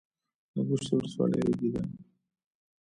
د ګوشتې ولسوالۍ ریګي ده